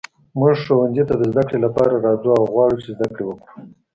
موږ ښوونځي ته د زده کړې لپاره راځو او غواړو چې زده کړې وکړو.